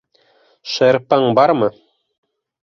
Шырпың бармы?